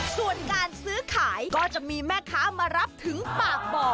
ส่วนการซื้อขายก็จะมีแม่ค้ามารับถึงปากบ่อ